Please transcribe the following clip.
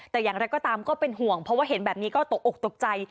แต่อย่างไรก็ตามก็เป็นห่วงเพราะว่าเห็นแบบนี้ก็ตกอกตกใจ